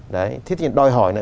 đấy thế thì đòi hỏi là